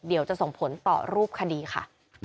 เดี๋ยวจะส่งผลต่อรูปคดีค่ะ